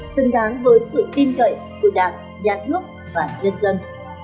xứng đáng với sự tin cậy của đảng nhà nước và nhân dân